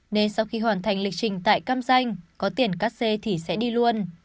nên sau khi hoàn thành lịch trình tại cam danh có tiền cắt xe thì sẽ đi luôn